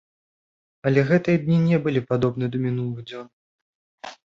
Але гэтыя дні не былі падобны да мінулых дзён.